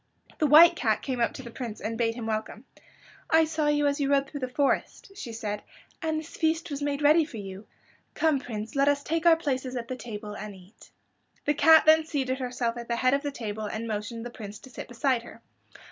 The White Cat came up to the Prince and bade him welcome. "I saw you as you rode through the forest," she said, "and this feast was made ready for you. Come, Prince, let us take our places at the table and eat." The cat then seated herself at the head of the table and motioned the Prince to sit beside her.